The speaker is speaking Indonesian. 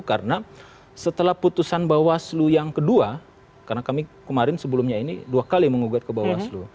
karena setelah putusan bawaslu yang kedua karena kami kemarin sebelumnya ini dua kali mengugat ke bawaslu